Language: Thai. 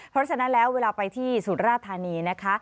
เพราะฉะนั้นแล้วเวลาไปที่สุราธานีนะคะ